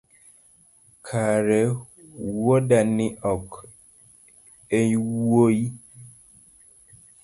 kare wuodani ok enwuoyi?